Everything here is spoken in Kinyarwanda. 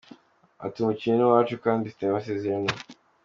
Ati "Umukinnyi ni uwacu kandi dufitanye amasezerano.